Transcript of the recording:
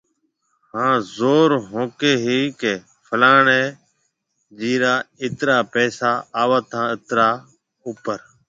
هان زور ھونڪي هي ڪي فلاڻي جي را ايترا پئسا آوت هان اترا اوپر